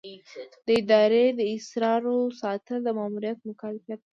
د ادارې د اسرارو ساتل د مامور مکلفیت دی.